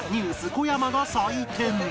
小山が採点